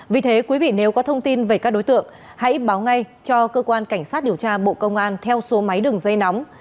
vì thế quý vị nếu có thông tin về các đối tượng hãy báo ngay cho cơ quan cảnh sát điều tra bộ công an theo số máy đường dây nóng sáu mươi chín hai trăm ba mươi bốn năm nghìn tám trăm sáu mươi